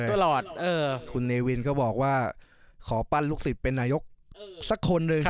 ตลอดคุณเนวินก็บอกว่าขอปั้นลูกศิษย์เป็นนายกสักคนหนึ่ง